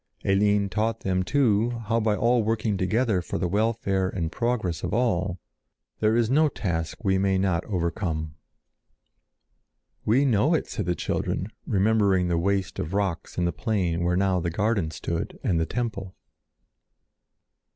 Eline taught them, too, how by all working together for the welfare and progress of all, there is no task we may not overcome. "We know it," said the children, remembering the waste of rocks in the plain where now the garden stood and the temple.